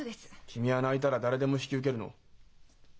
君は泣いたら誰でも引き受けるの？